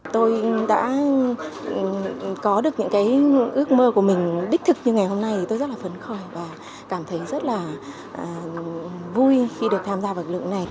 tôi đã có được những cái ước mơ của mình đích thực như ngày hôm nay thì tôi rất là phấn khởi và cảm thấy rất là vui khi được tham gia vật lực lượng này